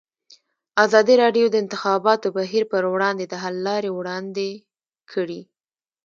ازادي راډیو د د انتخاباتو بهیر پر وړاندې د حل لارې وړاندې کړي.